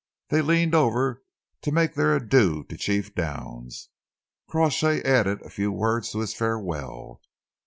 They leaned over to make their adieux to Chief Downs. Crawshay added a few words to his farewell.